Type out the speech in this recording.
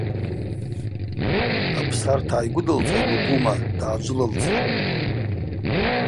Апсарт гӏайгвыдылцӏан, убума, дгӏаджвылылцатӏ.